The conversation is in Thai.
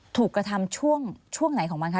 ถูกกระทำช่วงไหนของมันคะ